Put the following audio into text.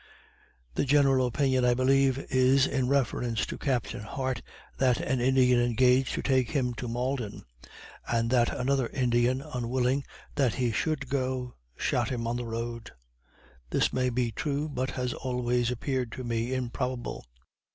The general opinion, I believe is, in reference to Captain Hart, that an Indian engaged to take him to Malden; and that another Indian, unwilling that he should go, shot him on the road. This may be true, but has always appeared to me improbable.